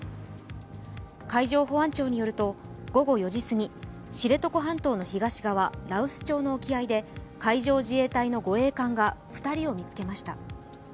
海上保安庁によると、午後４時すぎ、知床半島の東側、羅臼町の沖合で海上自衛隊の護衛艦が２人を見つけました。